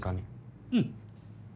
うん。